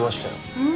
うん！